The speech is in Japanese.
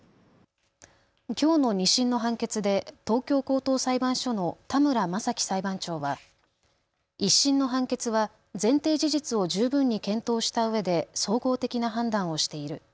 きょうの２審の判決で東京高等裁判所の田村政喜裁判長は１審の判決は前提事実を十分に検討したうえで総合的な判断をしている。